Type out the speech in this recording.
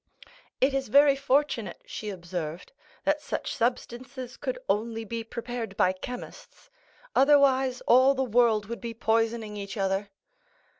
"It is very fortunate," she observed, "that such substances could only be prepared by chemists; otherwise, all the world would be poisoning each other."